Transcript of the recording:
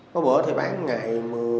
có bữa thì bán một ngày